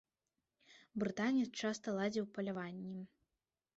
Брытанец часта ладзіў паляванні.